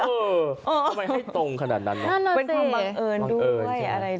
เออทำไมให้ตรงขนาดนั้นนะเป็นความบังเอิญด้วย